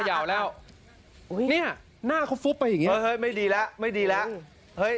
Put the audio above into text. ขยาวแล้วนี่หน้าเค้าฟุ๊บไปอย่างงี้เฮ้ยไม่ดีแล้ว